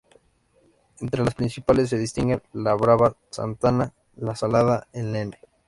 Entre las principales se distinguen La Brava, Santana, La Salada, El Nene-.